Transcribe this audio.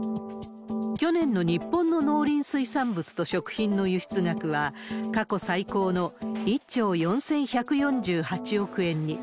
去年の日本の農林水産物と食品の輸出額は、過去最高の１兆４１４８億円に。